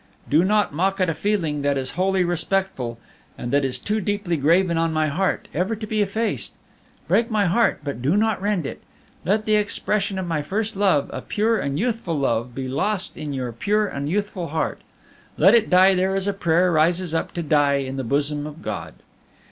Do not mock at a feeling that is wholly respectful, and that is too deeply graven on my heart ever to be effaced. Break my heart, but do not rend it! Let the expression of my first love, a pure and youthful love, be lost in your pure and youthful heart! Let it die there as a prayer rises up to die in the bosom of God!